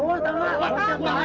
eh campur sama tangga